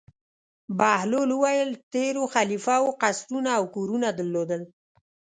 بهلول وویل: تېرو خلیفه وو قصرونه او کورونه درلودل.